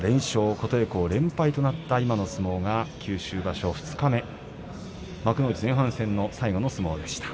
琴恵光が連敗となった今の相撲が九州場所二日目幕内前半戦最後の相撲でした。